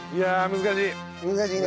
難しいね。